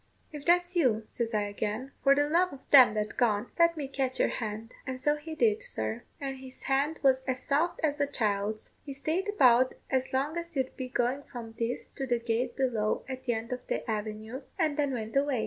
'If that's you,' says I again, 'for the love of them that gone, let me catch your hand.' And so he did, sir; and his hand was as soft as a child's. He stayed about as long as you'd be going from this to the gate below at the end of the avenue, and then went away.